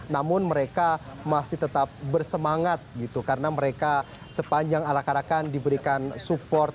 namun mereka masih tetap bersemangat gitu karena mereka sepanjang arak arakan diberikan support